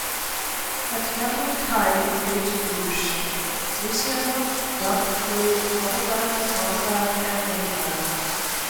At Catholic High in Baton Rouge, Louisiana, Dunn played quarterback, cornerback, and running back.